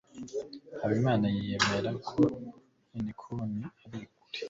habimana yemera ko unicorn ari ukuri